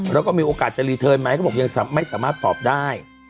แล้วก็มีโอกาสจะรีเทิร์นไหมก็บอกยังไม่สามารถตอบได้